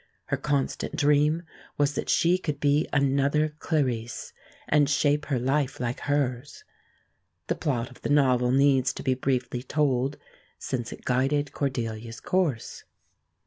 Her constant dream was that she could be another Clarice, and shape her life like hers. The plot of the novel needs to be briefly told, since it guided Cordelia's course.